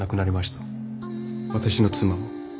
私の妻も。